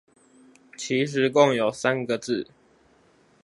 其實共有三個字